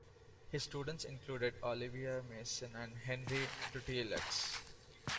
His students included Olivier Messiaen and Henri Dutilleux.